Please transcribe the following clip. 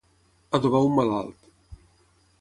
Adobar un malalt.